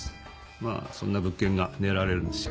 まあそんな物件が狙われるんですよ。